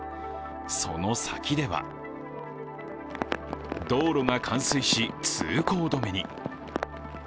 その先では道路が冠水し、通行止めに。